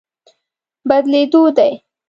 بدلېدو دی.